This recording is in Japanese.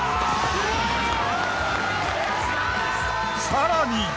［さらに］